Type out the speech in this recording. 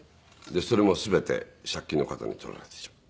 それも全て借金の形に取られてしまって。